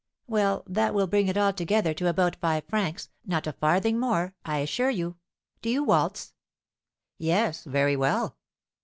well, that will bring it altogether to about five francs, not a farthing more, I assure you. Do you waltz?" "Yes, very well."